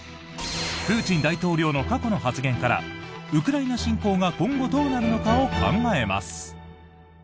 プーチン大統領の過去の発言からウクライナ侵攻が今後どうなるのかを考えます。